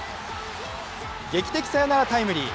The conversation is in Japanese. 劇的サヨナラタイムリー。